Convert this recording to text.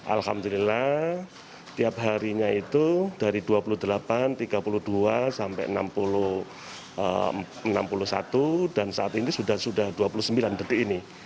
alhamdulillah tiap harinya itu dari dua puluh delapan tiga puluh dua sampai enam puluh satu dan saat ini sudah dua puluh sembilan detik ini